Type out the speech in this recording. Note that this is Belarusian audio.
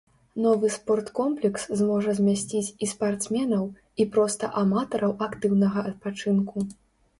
Новы спорткомплекс зможа змясціць і спартсменаў, і проста аматараў актыўнага адпачынку.